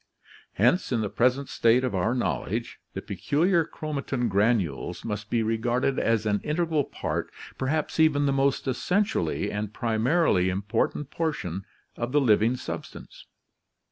Hence in the present state of our knowl edge, the peculiar chromatin granules must be regarded as an integral part, perhaps even the most essentially and primarily important portion, of the living substance.